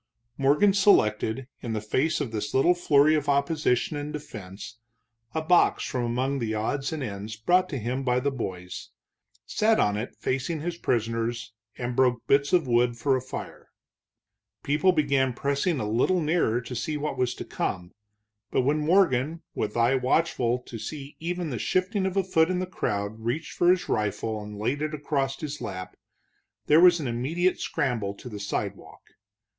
Morgan selected, in the face of this little flurry of opposition and defense, a box from among the odds and ends brought him by the boys, sat on it facing his prisoners and broke bits of wood for a fire. People began pressing a little nearer to see what was to come, but when Morgan, with eye watchful to see even the shifting of a foot in the crowd, reached for his rifle and laid it across his lap, there was an immediate scramble to the sidewalk.